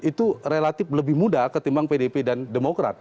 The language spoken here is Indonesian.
itu relatif lebih mudah ketimbang pdp dan demokrat